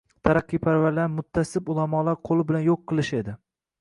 taraqqiyparvarlarni mutaassib ulamolar qo'li bilan yo'q qilish edi.